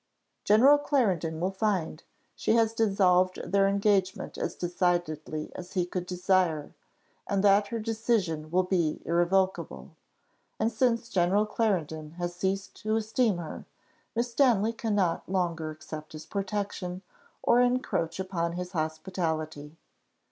General Clarendon will find she has dissolved their engagement as decidedly as he could desire, and that her decision will be irrevocable. And since General Clarendon has ceased to esteem her, Miss Stanley cannot longer accept his protection, or encroach upon his hospitality.